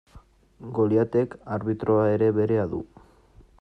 Goliatek arbitroa ere berea du.